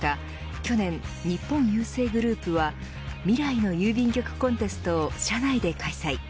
去年、日本郵政グループはみらいの郵便局コンテストを社内で開催。